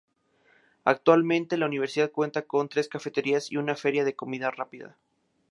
Actualmente, la universidad cuenta con tres cafeterías y una feria de comida rápida.